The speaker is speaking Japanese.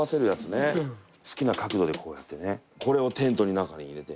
好きな角度でこうやってねこれをテントの中に入れて。